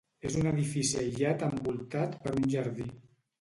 És un edifici aïllat envoltat per un jardí.